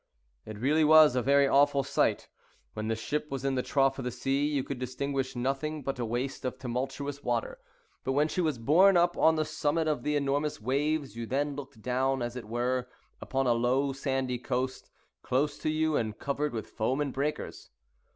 It really was a very awful sight. When the ship was in the trough of the sea, you could distinguish nothing but a waste of tumultuous water; but when she was borne up on the summit of the enormous waves, you then looked down, as it were, upon a low, sandy coast, close to you, and covered with foam and breakers.